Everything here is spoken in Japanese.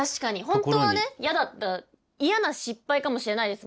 本当は嫌だった嫌な失敗かもしれないですもんね。